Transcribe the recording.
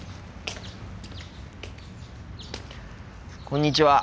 こんにちは。